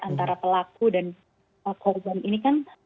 antara pelaku dan korban ini kan